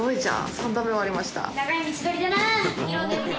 ３段目終わりました。